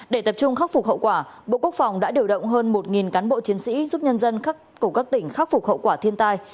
để tập trung khắc phục hậu quả bộ quốc phòng đã điều động hơn một cán bộ chiến sĩ giúp nhân dân cùng các tỉnh khắc phục hậu quả thiên tai